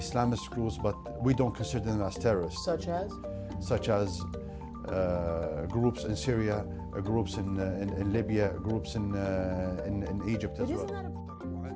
seperti kelompok kelompok di syria kelompok di libya kelompok di egypt juga